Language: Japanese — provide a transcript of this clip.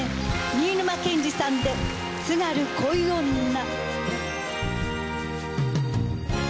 新沼謙治さんで『津軽恋女』。